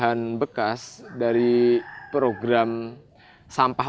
dan kurikulumnya adalah program sampah